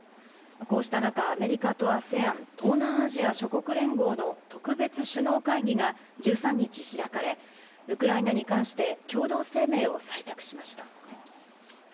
こうした中、アメリカとＡＳＥＡＮ＝東南アジア諸国連合の特別首脳会議が１３日開かれ、ウクライナに関して共同声明を採択しました。